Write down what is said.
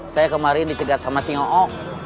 saya kemarin dicegat sama si ngo'ong